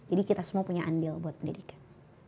jadi kita semua punya andil buat pendidikan